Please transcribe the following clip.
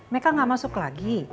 meka gak masuk lagi